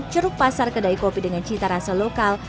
ceruk pasar kedai kopi dengan cita rasa lokal